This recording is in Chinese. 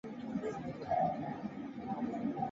此时的中性粒子主要是星云中的氢分子。